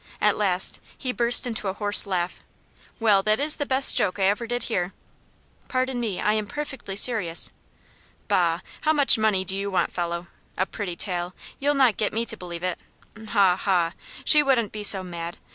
At last, he burst into a hoarse laugh. "Well, that is the best joke I ever did hear." "Pardon me; I am perfectly serious." "Bah! how much money do you want, fellow? A pretty tale! you'll not get me to believe it ha! ha! She wouldn't be so mad.